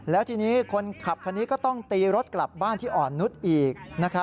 แล้วทีนี้คนขับคันนี้ก็ต้องตีรถกลับบ้านที่อ่อนนุษย์อีก